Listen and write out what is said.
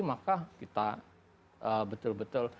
maka kita betul betul